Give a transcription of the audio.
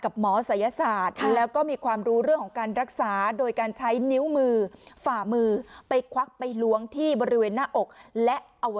กับหมอศัยศาสตร์แล้วก็มีความรู้เรื่องของการรักษา